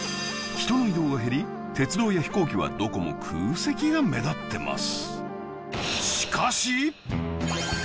人の移動が減り鉄道や飛行機はどこも空席が目立ってます